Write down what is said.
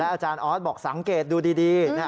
อาจารย์ออสบอกสังเกตดูดี